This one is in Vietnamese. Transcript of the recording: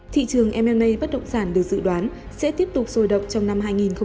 thị trường m a bất động sản được dự đoán sẽ tiếp tục sôi động trong năm hai nghìn một mươi tám